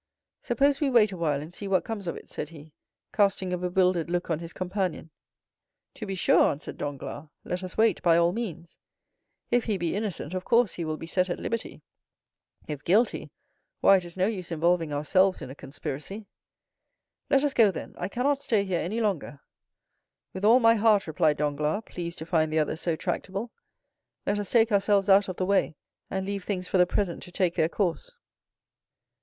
"Suppose we wait a while, and see what comes of it," said he, casting a bewildered look on his companion. "To be sure!" answered Danglars. "Let us wait, by all means. If he be innocent, of course he will be set at liberty; if guilty, why, it is no use involving ourselves in a conspiracy." "Let us go, then. I cannot stay here any longer." "With all my heart!" replied Danglars, pleased to find the other so tractable. "Let us take ourselves out of the way, and leave things for the present to take their course."